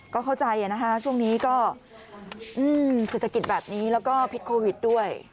ก็เข้าใจนะคะช่วงนี้ก็เศรษฐกิจแบบนี้แล้วก็พิษโควิดด้วย